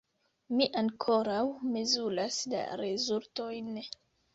Ni ankoraŭ mezuras la rezultojn.